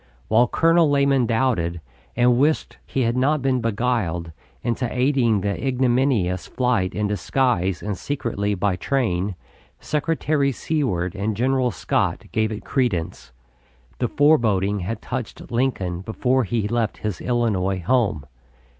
While Colonel Lamon doubted, and wished he had not been beguiled into aiding in the ignominious flight in disguise and secretly by train, Secretary Seward and General Scott gave it credence. The foreboding had touched Lincoln before he left his Illinois home.